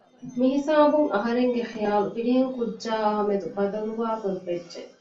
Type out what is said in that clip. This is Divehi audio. މިހިސާބުން އަހަރެންގެ ޚިޔާލު ފިރިހެންކުއްޖާއާ މެދު ބަދަލުވާ ގޮތްވެއްޖެ